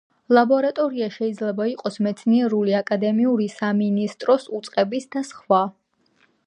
ლაბორატორია შეიძლება იყოს მეცნიერული, აკადემიური, სამინისტროს, უწყების და სხვა.